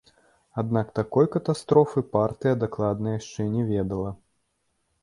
Аднак такой катастрофы партыя дакладна яшчэ не ведала.